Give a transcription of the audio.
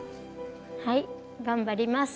はい頑張ります。